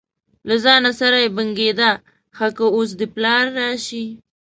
له ځانه سره یې بنګېده: ښه که اوس دې پلار راشي.